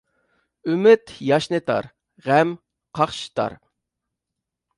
ئۈمىد ياشنىتار، غەم قاقشىتار.